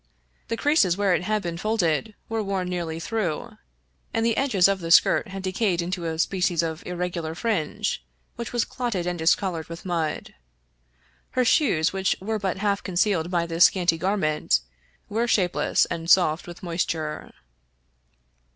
The creases where it had been folded were worn nearly through, and the edges of the skirt had decayed into a species of irregular fringe, which was clotted and discolored with mud. Her shoes — ^which were but half concealed by this scanty garment — were shapeless and soft with moisture.